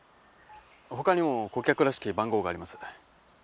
他にも顧客らしき番号があります。